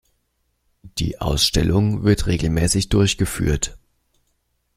Die Ausstellung wird regelmäßig durchgeführt.